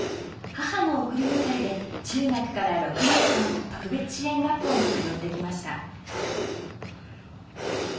母の送り迎えで中学から６年間特別支援学校に通ってきました。